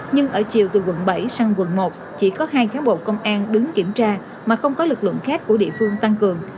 nhưng ở chiều từ quận bảy sang quận một chỉ có hai cán bộ công an đứng kiểm tra mà không có lực lượng khác của địa phương tăng cường